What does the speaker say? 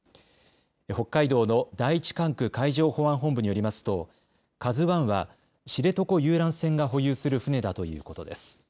北海道の第１管区海上保安本部によりますと、ＫＡＺＵわんは知床遊覧船が保有する船だということです。